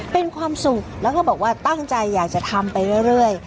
เป็นความสุขแล้วก็บอกว่าตั้งใจอยากจะทำไปเรื่อย